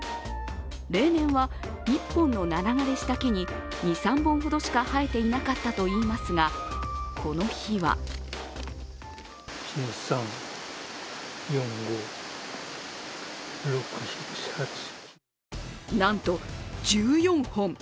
例年は１本のナラ枯れした木に２３本しか生えていなかったといいますがこの日はなんと１４本。